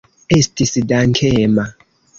Esti dankema.